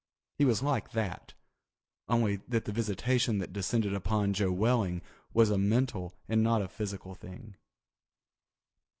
He was like that, only that the visitation that descended upon Joe Welling was a mental and not a physical thing.